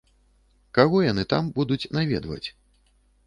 Каго яны там будуць наведваць?